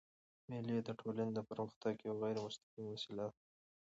مېلې د ټولني د پرمختګ یوه غیري مستقیمه وسیله ده.